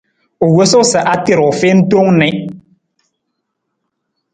U wosuu sa a ter u fiin tong ni.